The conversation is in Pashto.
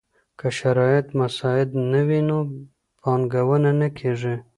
که شرايط مساعد نه وي نو پانګونه نه کيږي.